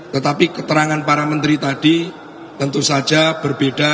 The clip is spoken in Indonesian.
tetapi keterangan para menteri tadi tentu saja berbeda